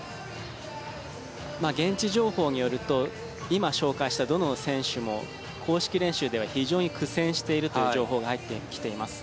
現地情報によると今紹介したどの選手も公式練習では苦戦しているという情報が入ってきています。